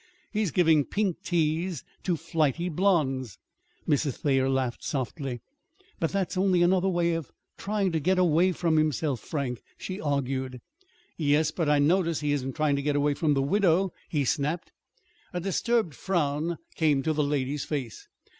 He's giving pink teas to flighty blondes." Mrs. Thayer laughed softly. "But that's only another way of trying to get away from himself, Frank," she argued. "Yes, but I notice he isn't trying to get away from the widow," he snapped. A disturbed frown came to the lady's face.